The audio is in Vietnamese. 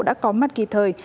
đã có mắt kịp thời